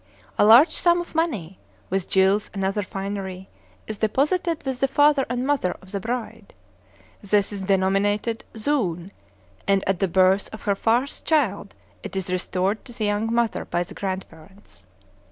A large sum of money, with jewels and other finery, is deposited with the father and mother of the bride. This is denominated Zoon, and at the birth of her first child it is restored to the young mother by the grandparents.